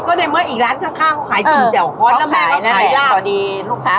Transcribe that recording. ก็ในเมื่ออีกล้านข้างเขาขายทุ่งเจ๋วค้อนแล้วแม่เขาขายล่าง